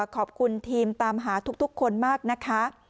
ขอบคุณทีมตามหาทุกคนมากนะคะ